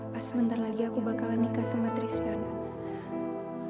pas sebentar lagi aku bakalan nikah sama tristan